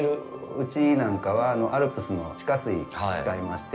うちなんかはアルプスの地下水を使いまして。